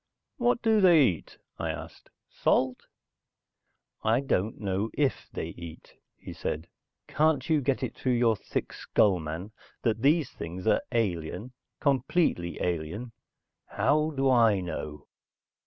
"What do they eat?" I asked. "Salt?" "I don't know if they eat," he said. "Can't you get it through your thick skull, man, that these things are alien? Completely alien? How do I know?"